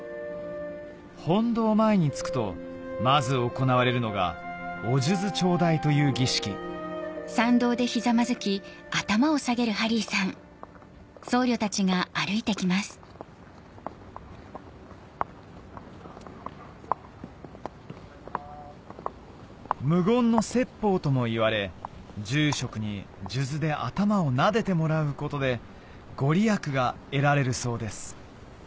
本堂前に着くとまず行われるのがという儀式無言の説法ともいわれ住職に数珠で頭をなでてもらうことで御利益が得られるそうです